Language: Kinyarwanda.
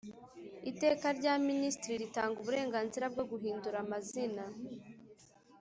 Iteka rya Ministiri ritanga uburenganzira bwo guhindura amazina